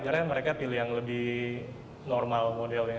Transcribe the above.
akhirnya mereka pilih yang lebih normal modelnya